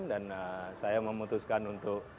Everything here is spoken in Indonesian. dan saya memutuskan untuk